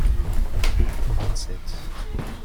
vingt sept.